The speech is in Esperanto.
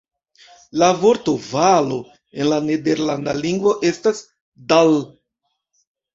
La vorto valo en la nederlanda lingvo estas "dal".